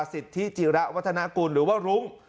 สิทธิจิระวัฒนากุลหรือว่ารุ้ง